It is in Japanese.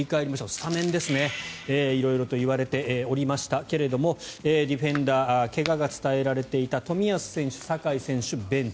スタメンですね、色々といわれておりましたけれどもディフェンダー怪我が伝えられていた冨安選手酒井選手、ベンチ。